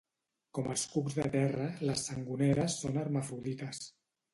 Com els cucs de terra, les sangoneres són hermafrodites.